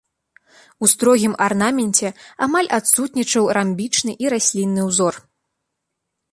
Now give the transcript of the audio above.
У строгім арнаменце амаль адсутнічаў рамбічны і раслінны ўзор.